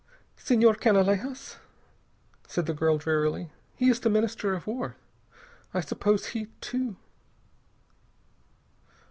"Senhor Canalejas," said the girl drearily. "He is the Minister of War. I suppose he, too...."